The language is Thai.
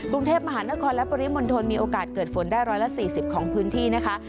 กรุงเทพมหานครและปริมณฑลมีโอกาสเกิดฝนได้๑๔๐ของพื้นที่นะคะ